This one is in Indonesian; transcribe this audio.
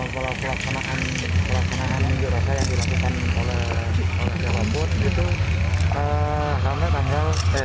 kalau kelas kenangan menunjuk rasa yang dilakukan oleh jawabannya itu